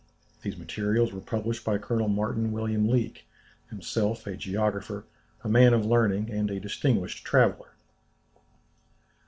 These materials were published by Colonel Martin William Leake, himself a geographer, a man of learning, and a distinguished traveller."